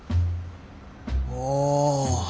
おお。